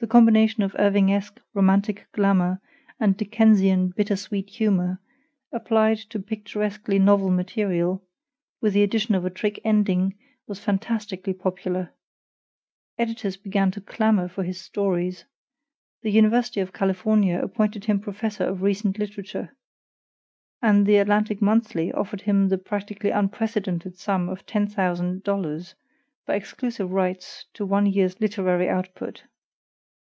The combination of Irvingesque romantic glamor and Dickensian bitter sweet humor, applied to picturesquely novel material, with the addition of a trick ending, was fantastically popular. Editors began to clamor for his stories; the University of California appointed him Professor of recent literature; and the ATLANTIC MONTHLY offered him the practically unprecedented sum of $10,000 for exclusive rights to one year's literary output.